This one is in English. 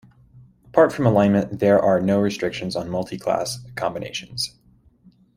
Apart from alignment, there are no restrictions on multi-class combinations.